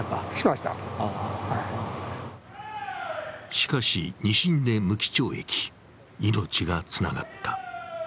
しかし二審で無期懲役、命がつながった。